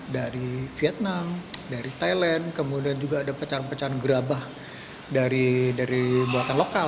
dari vietnam dari thailand kemudian juga ada pecahan pecahan gerabah dari buatan lokal